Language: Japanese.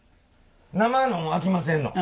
生のもんあきませんの？